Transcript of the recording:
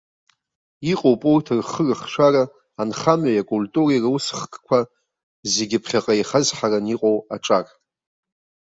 Иҟоуп урҭ рхы-рыхшара анхамҩеи акультуреи русхкқәа зегьы ԥхьаҟа еихазҳараны иҟоу аҿар.